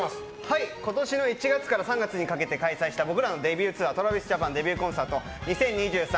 今年の１月から３月にかけて開催した僕らのデビューツアー「ＴｒａｖｉｓＪａｐａｎＤｅｂｕｔＣｏｎｃｅｒｔ２０２３